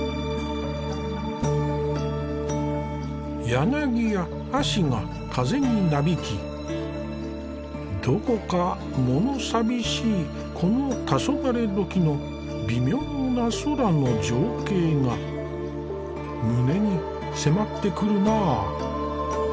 柳や葦が風になびきどこか物寂しいこの黄昏時の微妙な空の情景が胸に迫ってくるなぁ。